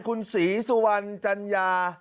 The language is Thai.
คุณศรีสุวรรณจัญญา